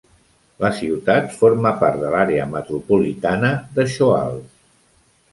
La ciutat forma part de l'àrea metropolitana de Shoals.